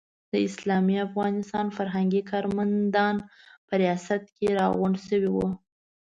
د اسلامي افغانستان فرهنګي کارمندان په ریاست کې راغونډ شوي وو.